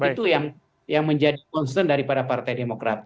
itu yang menjadi concern daripada partai demokrat